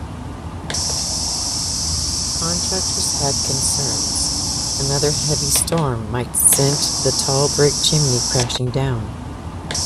Contractors had concerns 'another heavy storm might sent the tall brick chimney crashing down'.